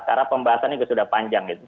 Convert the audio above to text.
karena pembahasannya sudah panjang gitu